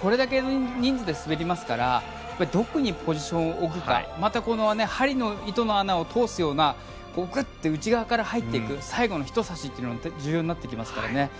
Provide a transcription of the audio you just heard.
これだけの人数で滑りますからどこにポジションを置くかまた、針の糸の穴を通すようなぐっと内側から入っていく最後のひと刺しが重要になってきますからね。